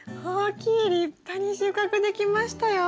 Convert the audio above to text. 立派に収穫できましたよ。